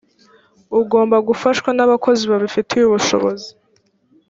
ugomba gufashwa n abakozi babifitiye ubushobozi